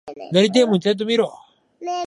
なりてえもんちゃんと見ろ！